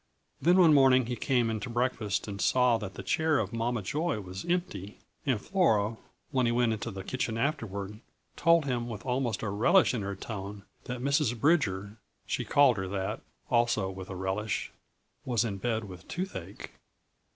Then one morning he came in to breakfast and saw that the chair of Mama Joy was empty; and Flora, when he went into the kitchen afterward, told him with almost a relish in her tone that Mrs. Bridger she called her that, also with a relish was in bed with toothache.